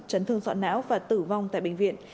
trấn thương sọt não và tử vong tại bệnh viện